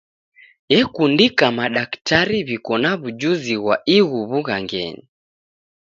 Ekundika madaktari w'iko na w'ujuzi ghwa ighu w'ughangenyi.